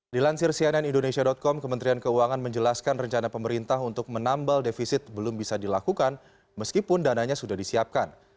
dilansir cnn indonesia com kementerian keuangan menjelaskan rencana pemerintah untuk menambal defisit belum bisa dilakukan meskipun dananya sudah disiapkan